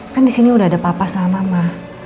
kan disini udah ada papa sama mama